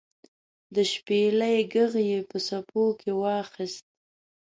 د شپیلۍ ږغ یې په څپو کې واخیست